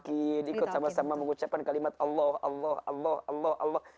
ikut sama sama mengucapkan kalimat allah